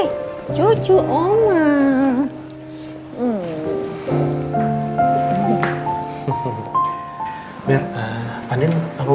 insya allah ini juga tindakanku